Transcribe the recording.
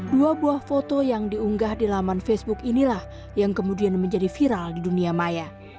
dua buah foto yang diunggah di laman facebook inilah yang kemudian menjadi viral di dunia maya